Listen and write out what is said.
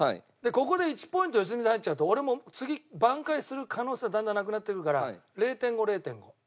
ここで１ポイント良純さん入っちゃうと俺も次挽回する可能性がだんだんなくなってくるから０．５０．５。０．５０．５。